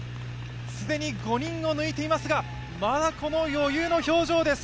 既に５人を抜いていますがまだこの余裕の表情です。